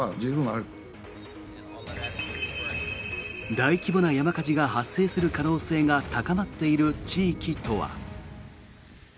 大規模な山火事が発生する可能性が高まっている地域とは。